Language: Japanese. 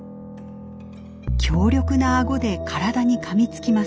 強力なあごで体にかみつきます。